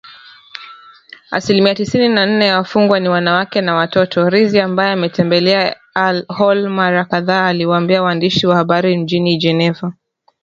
Asilimia tisini na nne ya wafungwa ni wanawake na watoto, Rizi ambaye ametembelea Al Hol mara kadhaa aliwaambia waandishi wa habari mjini Geneva